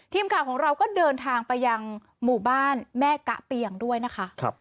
ทีมข่าวของเราก็เดินทางไปยังหมู่บ้านแม่กะเปียงด้วยนะคะ